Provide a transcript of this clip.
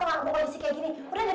kita udah capek banget dong